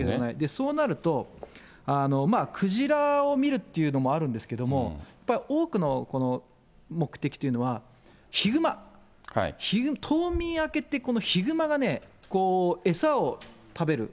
そうなると、クジラを見るっていうのもあるんですけども、やっぱり多くの目的というのは、ヒグマ、冬眠明けて、このヒグマがね、餌を食べる。